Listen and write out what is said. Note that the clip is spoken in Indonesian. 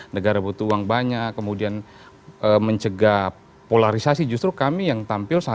negara butuh uang banyak kemudian mencegah polarisasi justru kami yang tampil